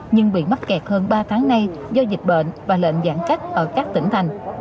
nhưng bị mắc kẹt hơn ba tháng nay do dịch bệnh và lệnh giãn cách ở các tỉnh thành